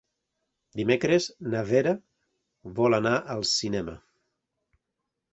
Dimecres na Vera vol anar al cinema.